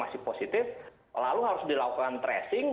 masih positif lalu harus dilakukan tracing